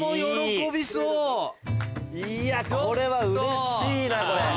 いやこれはうれしいなこれ。